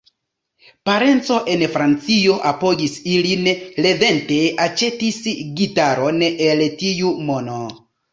Parenco en Francio apogis ilin, Levente aĉetis gitaron el tiu mono.